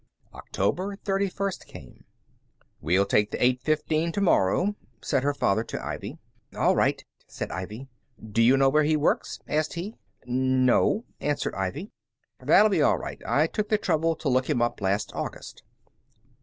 October thirty first came. "We'll take the eight fifteen to morrow," said her father to Ivy. "All right," said Ivy. "Do you know where he works?" asked he. "No," answered Ivy. "That'll be all right. I took the trouble to look him up last August."